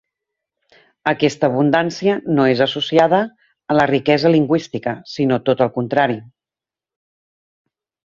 Aquesta abundància no és associada a la riquesa lingüística, sinó tot el contrari.